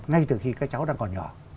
ngay từ khi các cháu đang còn nhỏ